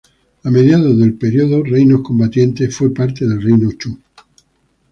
A mediados del periodo Reinos Combatientes fue parte del reino Chu.